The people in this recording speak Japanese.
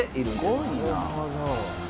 「なるほど」